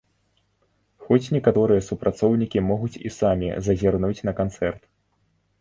Хоць некаторыя супрацоўнікі могуць і самі зазірнуць на канцэрт.